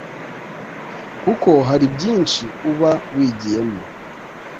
kuko hari byinshi uba wigiyemo